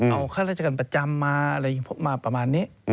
เอาข้าราชการประจำมาอะไรมาประมาณนี้